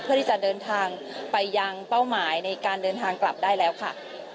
เพื่อที่จะเดินทางไปยังเป้าหมายในการเดินทางกลับได้แล้วค่ะ